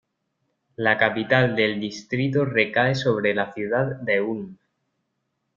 La capital del distrito recae sobre la ciudad de Ulm.